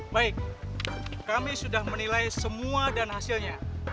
baik kami sudah menilai semua dan hasilnya